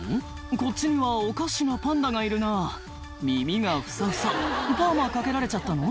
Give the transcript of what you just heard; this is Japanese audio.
こっちにはおかしなパンダがいるな耳がフサフサパーマかけられちゃったの？